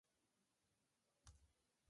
پوهنتون په لار ډېره فرصتي وه.